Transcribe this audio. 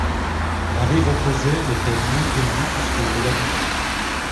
La rive opposée m'était mieux connue puisque je l'habitais.